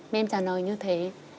mẹ em trả lời như thế